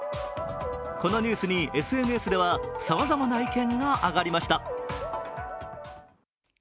このニュースにＳＮＳではさまざまな意見が上がりました。